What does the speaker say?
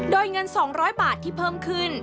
โดยเงิน๒๐๐บาทที่เพิ่มขึ้น